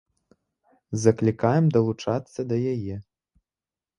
Заклікаем далучацца да яе.